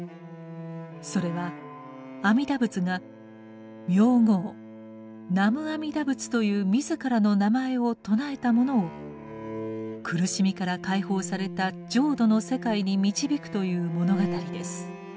それは阿弥陀仏が名号「南無阿弥陀仏」という自らの名前を称えた者を苦しみから解放された浄土の世界に導くという物語です。